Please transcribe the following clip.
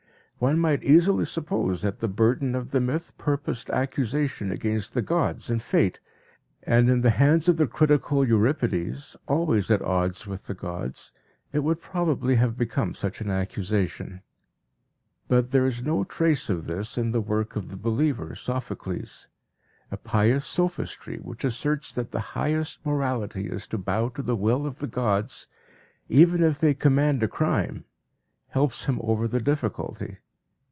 One might easily suppose that the burden of the myth purposed accusation against the gods and Fate, and in the hands of the critical Euripides, always at odds with the gods, it would probably have become such an accusation. But there is no trace of this in the work of the believer Sophocles. A pious sophistry which asserts that the highest morality is to bow to the will of the gods, even if they command a crime, helps him over the difficulty.